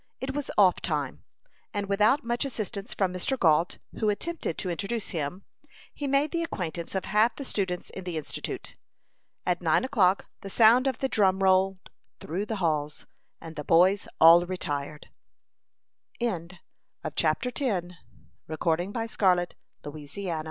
It was "off time," and without much assistance from Mr. Gault, who attempted to introduce him, he made the acquaintance of half the students in the Institute. At nine o'clock the sound of the drum rolled through the halls, and the boys all retired. CHAPTER XI. RICHARD GOES THROUGH THE DRILL, AND HAS A SET TO I